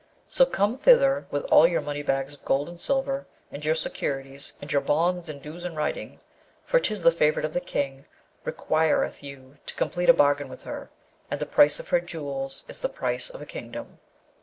So come thither with all your money bags of gold and silver, and your securities, and your bonds and dues in writing, for 'tis the favourite of the King requireth you to complete a bargain with her, and the price of her jewels is the price of a kingdom.'